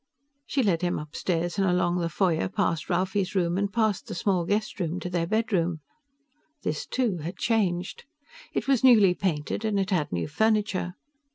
She led him upstairs and along the foyer past Ralphie's room and past the small guest room to their bedroom. This, too, had changed. It was newly painted and it had new furniture.